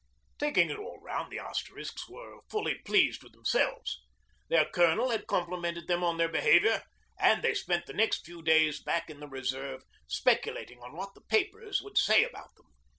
Taking it all round, the Asterisks were fully pleased with themselves. Their Colonel had complimented them on their behaviour, and they spent the next few days back in the reserve, speculating on what the papers would say about them.